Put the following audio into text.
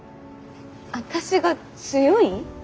私が強い？